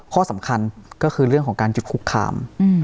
ข้อสำคัญก็คือเรื่องของการจุดคุกคาม